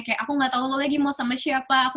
kayak aku gak tau lo lagi mau sama siapa